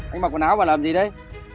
anh mặc quần áo và làm gì đấy